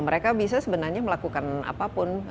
mereka bisa sebenarnya melakukan apa pun